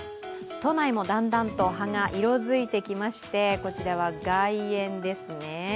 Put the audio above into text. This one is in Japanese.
都内もだんだんと葉が色づいてきましてこちらは外苑ですね。